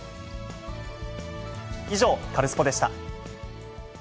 以上、カルスポっ！でした。